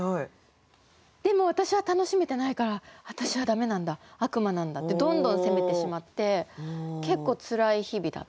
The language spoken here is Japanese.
でも私は楽しめてないから「私は駄目なんだ悪魔なんだ」ってどんどん責めてしまって結構つらい日々だったんですよね。